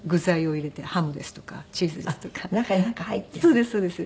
そうですそうです。